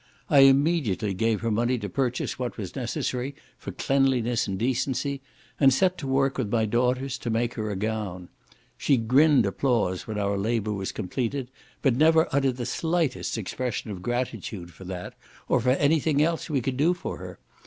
I immediately gave her money to purchase what was necessary for cleanliness and decency, and set to work with my daughters to make her a gown. She grinned applause when our labour was completed, but never uttered the slightest expression of gratitude for that, or for any thing else we could do for her.